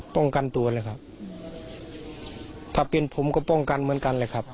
ป้องกันตัวเลยครับถ้าเป็นผมก็ป้องกันเหมือนกันแหละครับ